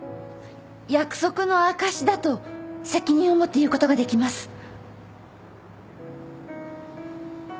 約束の証しだと責任を持って言うことができます。